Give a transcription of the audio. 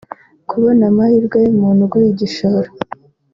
kubona amahirwe y’umuntu uguha igishoro